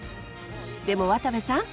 でも渡部さん